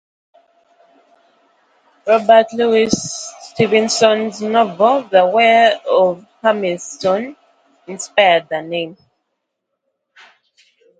Robert Louis Stevenson's novel, "The Weir of Hermiston", inspired the name.